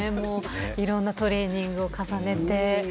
いろんなトレーニングを重ねて。